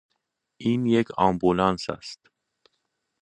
این یک آمبولانس است.